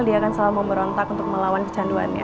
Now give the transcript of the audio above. dia akan selalu mau berontak untuk melawan kecanduannya